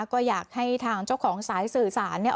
ก็อยากให้ทางเจ้าของสายสื่อสารเนี่ย